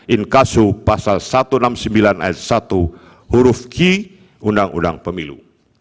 in caso pasal satu ratus enam puluh sembilan s satu huruf ki undang undang pemilu